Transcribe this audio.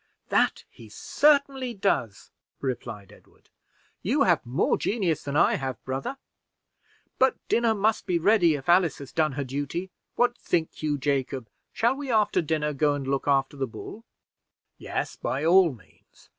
"That he certainly does," replied Edward. "You have more genius than I have, brother. But dinner must be ready, if Alice has done her duty. What think you Jacob, shall we after dinner go and look after that bull?" "Yes, by all means.